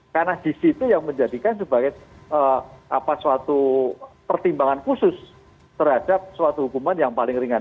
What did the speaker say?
karena gc itu yang menjadikan sebagai suatu pertimbangan khusus terhadap suatu hukuman yang paling ringan